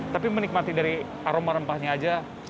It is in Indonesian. tapi menikmati dari aroma rempahnya aja